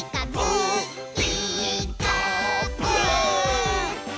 「ピーカーブ！」